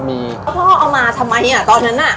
พ่อเอามาทำไมอ่ะตอนนั้นอะ